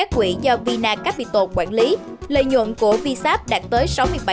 quỹ do vinacapital quản lý lợi nhuận của vsap đạt tới sáu mươi bảy